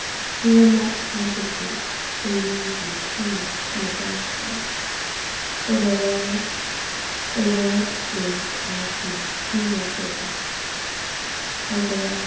He will not abdicate and leave you kingless and defenceless. For verily, 'The Lord is our King; He will save us' (Isa. xxxiii.